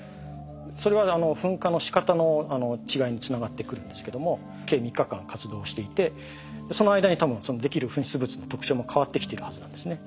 それは噴火のしかたの違いにつながってくるんですけども計３日間活動していてその間に多分できる噴出物の特徴も変わってきてるはずなんですね。